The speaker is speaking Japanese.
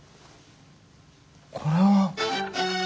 これは。